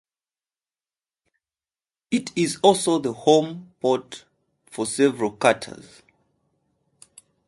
It is also the home port for several cutters.